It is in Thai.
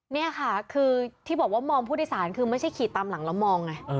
นี่ค่ะคือที่บอกว่ามองผู้โดยสารคือไม่ใช่ขี่ตามหลังแล้วมองไง